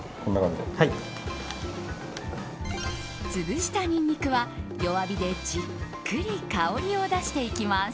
潰したニンニクは弱火でじっくり香りを出していきます。